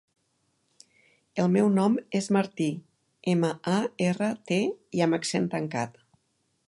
El meu nom és Martí: ema, a, erra, te, i amb accent tancat.